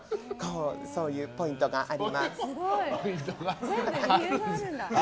そういうポイントがあります。